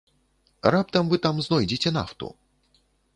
Раптам вы там знойдзеце нафту?